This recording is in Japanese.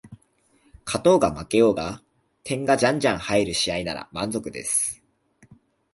勝とうが負けようが点がじゃんじゃん入る試合なら満足です